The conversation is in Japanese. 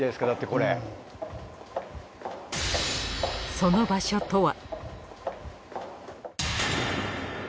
その場所とは？